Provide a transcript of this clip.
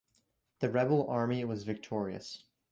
The rebel army was victorious.